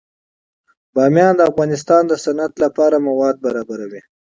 بامیان د افغانستان د صنعت لپاره مواد برابروي.